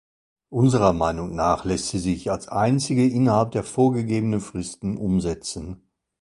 Unserer Meinung nach lässt sie sich als einzige innerhalb der vorgegebenen Fristen umsetzen.